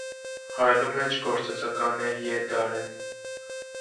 Հայերու մէջ գործածական է Ե դարէն։